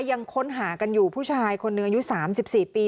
ยังค้นหากันอยู่ผู้ชายคนหนึ่งอายุ๓๔ปี